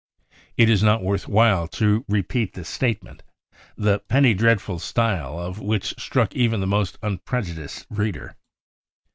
It is not worth while to' repeat this statement, the penny dreadful style of which struck even the most unprejudiced reader.